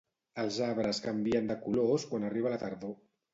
Els arbres canvien de colors quan arriba la tardor.